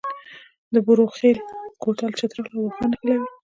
د بروغیل کوتل چترال او واخان نښلوي